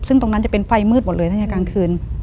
ซึ่งตรงนั้นจะเป็นไฟมืดหมดเลยตั้งแต่กลางคืน